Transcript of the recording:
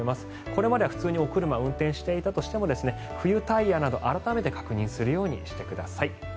これまでは普通にお車を運転していたとしても冬タイヤなど改めて確認するようにしてください。